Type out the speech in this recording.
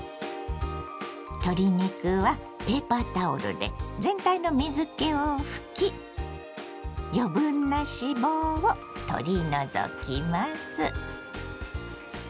鶏肉はペーパータオルで全体の水けを拭き余分な脂肪を取り除きます。